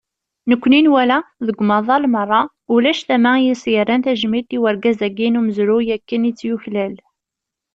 Nekkni nwala, deg umaḍal meṛṛa, ulac tama i as-yerran tajmilt i urgaz-agi n umezruy akken i tt-yuklal.